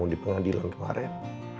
di pengadilan kemarin